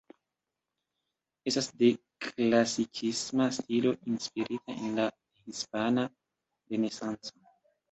Estas de klasikisma stilo inspirita en la Hispana Renesanco.